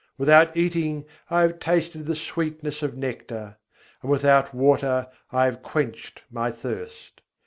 Without eating, I have tasted of the sweetness of nectar; and without water, I have quenched my thirst.